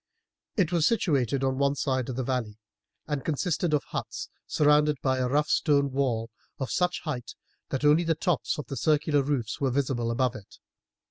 It was situated on one side of the valley, and consisted of huts surrounded by a rough stone wall of such height that only the tops of the circular roofs were visible above it.